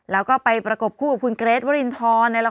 แล้วก็ไปประกบคู่กับคุณเกรทวรินทร